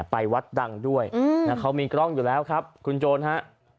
ไปวัดดังด้วยเขามีกล้องอยู่แล้วครับคุณโจรฮะ